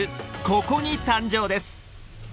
ここに誕生です